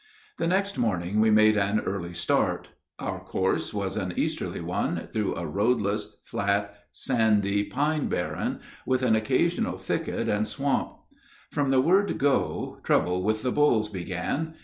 The next morning we made an early start. Our course was an easterly one, through a roadless, flat, sandy pine barren, with an occasional thicket and swamp. From the word "go" trouble with the bulls began.